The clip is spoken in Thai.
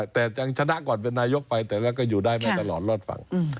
แต่ยังชนะก่อนเป็นนายกไปแต่ก็อยู่ได้ไม่ตลอดรอดฝั่ง